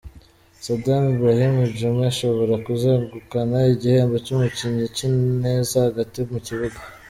Sadam Ibrahim Djuma ashobora kuzegukana igihembo cy'umukinnyi ukina neza hagati mu kibuga.